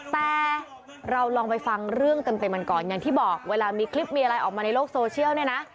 แต่เราลองไปฟังเรื่องเต็มมันก่อนอย่างที่บอกเวลามีคลิปมีอะไรออกมาในโลกโซเชียลเนี่ยนะ